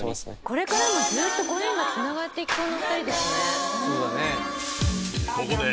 ［これからもずっとご縁がつながっていきそうなお二人ですね。］